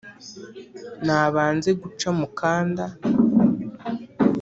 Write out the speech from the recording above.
nabanze gacamukanda